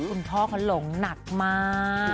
คุณพ่อเขาหลงหนักมาก